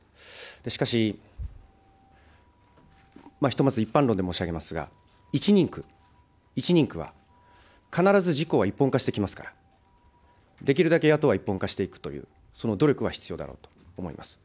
しかし、ひとまず一般論で申し上げますが、１人区、１人区は必ず自公は一本化してきますから、できるだけ野党は一本化していくというその努力は必要だろうと思います。